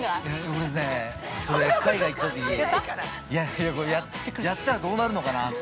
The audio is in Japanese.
◆俺ね、海外行ったときやったらどうなるのかなって。